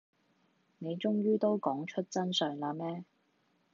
你終於都講出真相喇咩